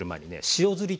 塩ずり。